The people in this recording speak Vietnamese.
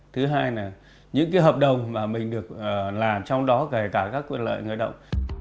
thứ hai là những cái hợp đồng mà mình được làm trong đó kể cả các quyền lợi người lao động